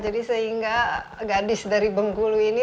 jadi sehingga gadis dari bengkulu ini